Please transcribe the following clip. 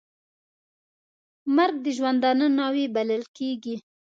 مرګ د ژوندانه ناوې بلل کېږي .